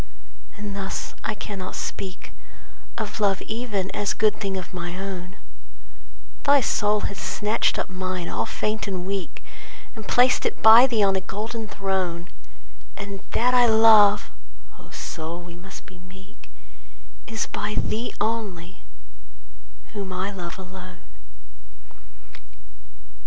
And thus, I cannot speak Of love even, as good thing of my own: Thy soul hath snatched up mine all faint and weak, And placed it by thee on a golden throne, And that I love (O soul, we must be meek ) Is by thee only, whom I love alone.